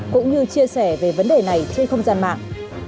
cũng như chia sẻ về vấn đề này trên không gian mạng